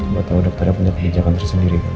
buat tahu dokternya punya kebijakan tersendiri